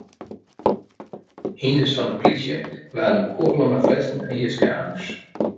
Hynders fan de polysje waarden bekûgele mei flessen en jiske-amers.